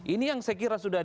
ini yang saya kira sudah